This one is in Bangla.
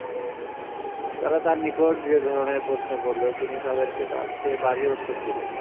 তারা তার নিকট যে ধরনের প্রশ্ন করল তিনি তাদেরকে তার চেয়ে বাড়িয়ে উত্তর দিলেন।